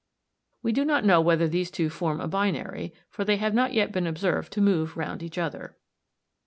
We do not know whether these two form a binary, for they have not yet been observed to move round each other.